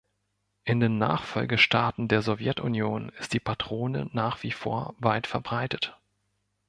In den Nachfolgestaaten der Sowjetunion ist die Patrone nach wie vor weit verbreitet.